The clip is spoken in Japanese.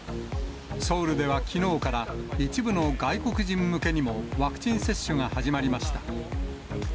ソウルではきのうから、一部の外国人向けにも、ワクチン接種が始まりました。